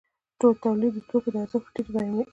تولید د توکو د ارزښت په ټیټه بیه تمامېږي